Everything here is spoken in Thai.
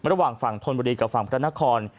ระหว่างฝั่งธนบุรีกับฝั่งพระนคร